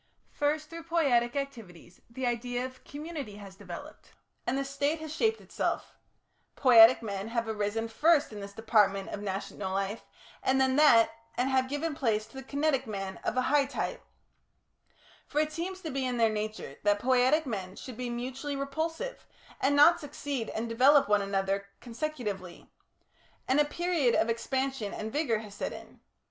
First, through poietic activities, the idea of a community has developed, and the State has shaped itself; poietic men have arisen first in this department of national life, and then that, and have given place to kinetic men of a high type for it seems to be in their nature that poietic men should be mutually repulsive, and not succeed and develop one another consecutively and a period of expansion and vigour has set in.